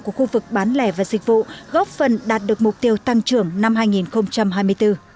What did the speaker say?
của khu vực bán lẻ và dịch vụ góp phần đạt được mục tiêu tăng trưởng năm hai nghìn hai mươi bốn